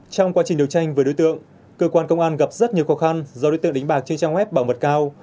trong quá trình đấu tranh với đối tượng cơ quan công an gặp rất nhiều khó khăn do đối tượng đánh bạc trên trang web bảo mật cao